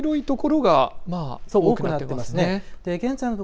今、黄色い所が多くなっていますね。